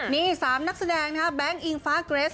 นี่๓นักแสดงนะคะแบงค์อิงฟ้าเกรส